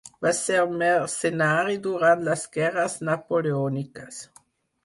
Va ser mercenari durant les guerres napoleòniques.